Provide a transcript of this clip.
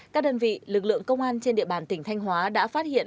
các đơn vị lực lượng công an trên địa bàn tỉnh thanh hóa đã phát hiện